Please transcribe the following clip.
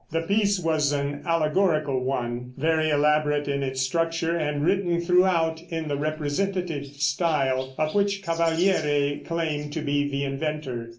The piece was an allegorical one, very elaborate in its structure, and written throughout in the representative style, of which Cavaliere claimed to be the inventor.